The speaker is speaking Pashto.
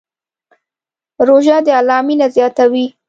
روژه د الله مینه زیاتوي.